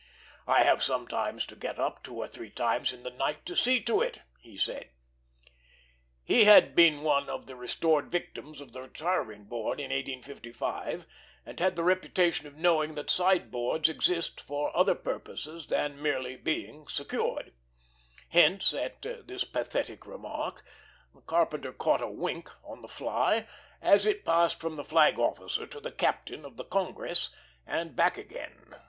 "I have sometimes to get up two or three times in the night to see to it," he said. He had been one of the restored victims of the Retiring Board of 1855, and had the reputation of knowing that sideboards exist for other purposes than merely being secured; hence, at this pathetic remark, the carpenter caught a wink, "on the fly," as it passed from the flag officer to the captain of the Congress and back again.